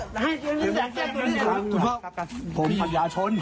ตายแล้วครับครับครับคุณลุง